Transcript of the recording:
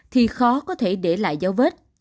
thì khó có thể để lại dấu vết